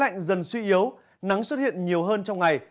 khi không khí lạnh dần suy yếu nắng xuất hiện nhiều hơn trong ngày